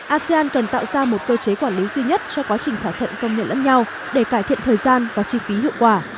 asean cần tạo ra một cơ chế quản lý duy nhất cho quá trình thỏa thuận công nhận lẫn nhau để cải thiện thời gian và chi phí hiệu quả